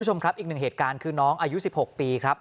คุณผู้ชมครับอีกหนึ่งเหตุการณ์คือน้องอายุ๑๖ปีครับ